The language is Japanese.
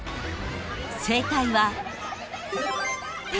［正解は］